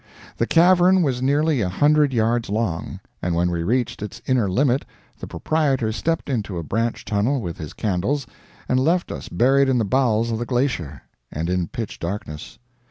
The cavern was nearly a hundred yards long, and when we reached its inner limit the proprietor stepped into a branch tunnel with his candles and left us buried in the bowels of the glacier, and in pitch darkness.